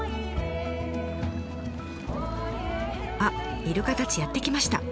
あっイルカたちやって来ました。